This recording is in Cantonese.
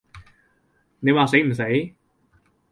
你話死唔死？